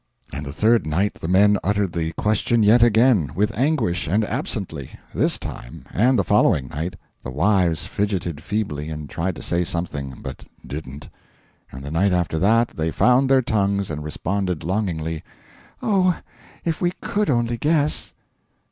And the third night the men uttered the question yet again with anguish, and absently. This time and the following night the wives fidgeted feebly, and tried to say something. But didn't. And the night after that they found their tongues and responded longingly: "Oh, if we COULD only guess!"